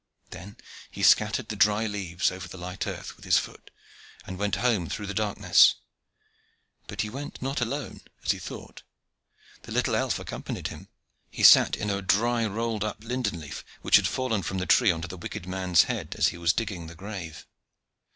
Then he scattered the dry leaves over the light earth with his foot, and went home through the darkness; but he went not alone, as he thought, the little elf accompanied him. He sat in a dry rolled up linden leaf, which had fallen from the tree on to the wicked man's head, as he was digging the grave.